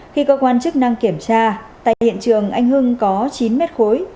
khi cơ quan chức năng kiểm tra tại hiện trường anh hưng có chín mét khối